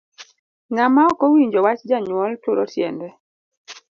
Ng'ama okowinjo wach janyuol turo tiende.